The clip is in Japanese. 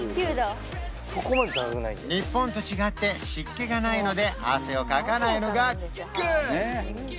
日本と違って湿気がないので汗をかかないのがグッド！